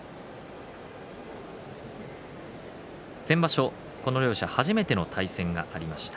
先場所、この両者初めての対戦がありました。